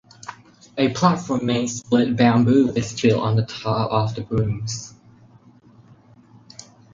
A platform made split bamboo is built on top of the booms.